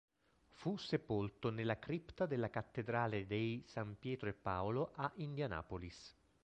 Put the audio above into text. Fu sepolto nella cripta della cattedrale dei San Pietro e Paolo a Indianapolis.